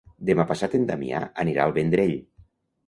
Demà passat en Damià anirà al Vendrell.